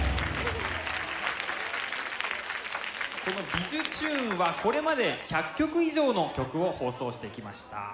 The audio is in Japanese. この「びじゅチューン！」はこれまで１００曲以上の曲を放送してきました。